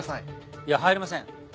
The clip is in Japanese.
いや入りません。